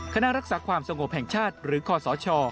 คณะรักษาความสงบแห่งชาติหรือคศ